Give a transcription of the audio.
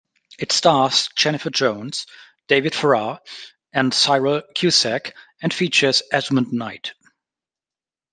It stars Jennifer Jones, David Farrar and Cyril Cusack and features Esmond Knight.